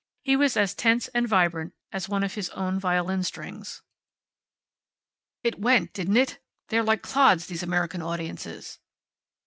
He was as tense and vibrant as one of his own violin strings. "It went, didn't it? They're like clods, these American audiences."